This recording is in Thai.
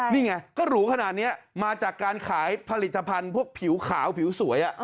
นี่ไงก็หรูขนาดนี้มาจากการขายผลิตภัณฑ์พวกผิวขาวผิวสวย